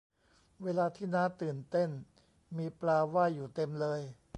เวลาที่น้าตื่นเต้นมีปลาว่ายอยู่เต็มเลย